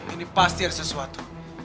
ini pasti ada sesuatu